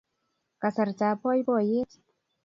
kasartab poipoiyet